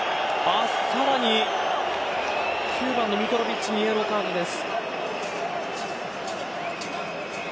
さらに９番のミトロヴィッチにイエローカードです。